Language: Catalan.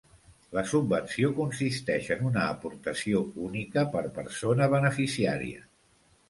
La subvenció consisteix en una aportació única per persona beneficiària.